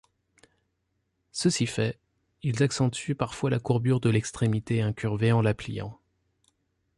Ceci fait, ils accentuent parfois la courbure de l'extrémité incurvée en la pliant.